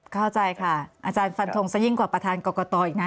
เข้าใจค่ะอาจารย์ฟันทงซะยิ่งกว่าประธานกรกตอีกนะ